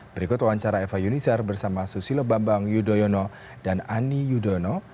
berikut wawancara eva yunisar bersama susilo bambang yudhoyono dan ani yudhoyono